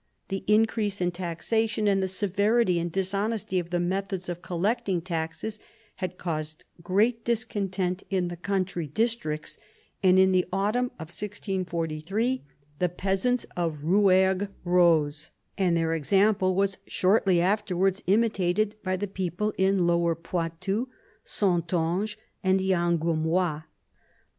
The increase in taxation, and the severity and dishonesty of the methods of collecting taxes, had caused great discontent in the country districts, and in the autumn of 1643 the pe&sants of Eouergue rose, and their example was shortly afterwards imitated by the people in Lower Poitou, Saintonge, and the Angoumois.